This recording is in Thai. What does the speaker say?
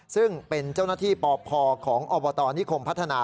ซึ่งเป็นเจ้าหน้าที่ปพของอบตนิคมพัฒนา